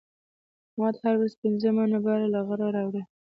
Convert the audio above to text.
احمد هره ورځ پنځه منه بار له غره راولي.